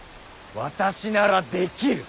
私ならできる。